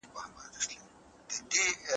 ژورنالیزم د حق او باطل ترمنځ پوله ده.